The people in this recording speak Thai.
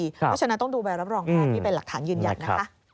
เพราะฉะนั้นต้องดูใบรับรองแพทย์ที่เป็นหลักฐานยืนยันนะคะ